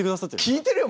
聴いてるよ！